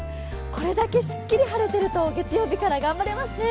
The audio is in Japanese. これだけすっきり晴れていると月曜日から頑張れますね。